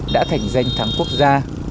đã thành danh thắng quốc gia